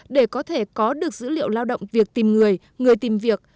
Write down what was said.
để có thể có được dữ liệu lao động việc tìm người người tìm việc